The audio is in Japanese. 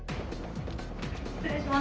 失礼します。